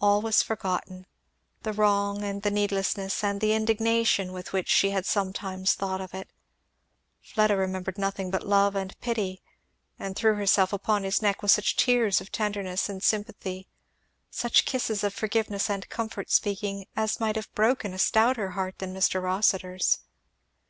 All was forgotten, the wrong, and the needlessness, and the indignation with which she had sometimes thought of it; Fleda remembered nothing but love and pity, and threw herself upon his neck with such tears of tenderness and sympathy, such kisses of forgiveness and comfort speaking, as might have broken a stouter heart than Mr. Rossitur's.